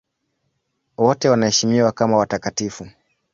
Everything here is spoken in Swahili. Wote wanaheshimiwa kama watakatifu.